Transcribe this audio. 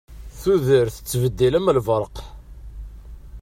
Tudert tettbeddil am lberq.